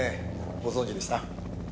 ご存じでした？